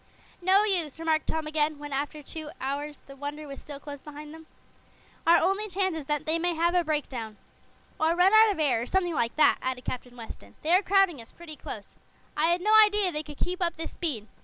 "No use," remarked Tom again, when, after two hours, the Wonder was still close behind them. "Our only chance is that they may have a breakdown." "Or run out of air, or something like that," added Captain Weston. "They are crowding us pretty close. I had no idea they could keep up this speed.